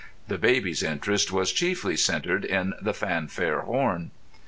The baby's interest was chiefly centred in the fanfare horn.